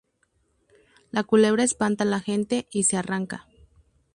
La culebra espanta a la gente y se arranca.